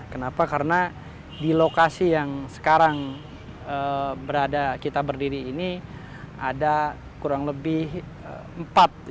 kenapa karena di lokasi yang sekarang kita berdiri ini ada kurang lebih empat